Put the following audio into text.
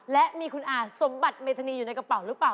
และมีคุณอาสมบัติเมธานีอยู่ในกระเป๋าหรือเปล่า